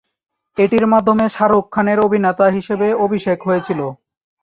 এটির মাধ্যমে শাহরুখ খানের অভিনেতা হিসেবে অভিষেক হয়েছিল।